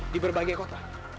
di berbagai kota